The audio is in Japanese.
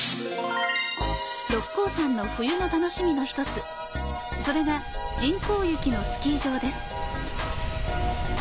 六甲山の冬の楽しみの１つ、それが人工雪のスキー場です。